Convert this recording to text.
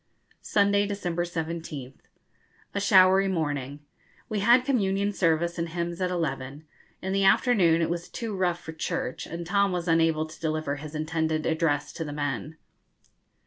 Sunday, December 17th. A showery morning. We had Communion Service and hymns at eleven. In the afternoon it was too rough for 'church,' and Tom was unable to deliver his intended address to the men.